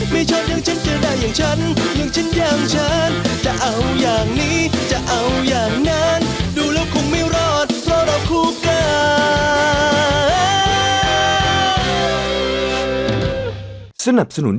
ไม่ชอบอย่างฉันเจอได้อย่างฉันอย่างฉันอย่างฉัน